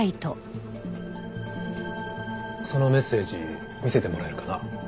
そのメッセージ見せてもらえるかな？